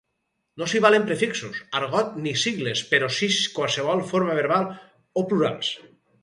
No s'hi valen prefixos, argot ni sigles però sí qualsevol forma verbal o plurals.